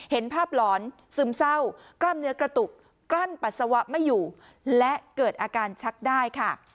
เห็นภาพหลอนซึมเศร้ากล้ามเนื้อกระตุกกลั้นปัสสาวะไม่อยู่และเกิดอาการชักได้ค่ะ